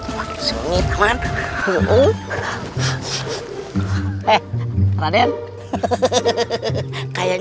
kau akan menang